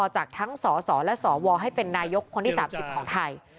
จากทั้งสสและสวให้เป็นนายกคนที่๓๐ของไทย